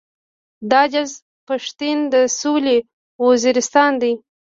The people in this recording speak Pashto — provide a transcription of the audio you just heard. دا جذاب پښتين د سويلي وزيرستان دی.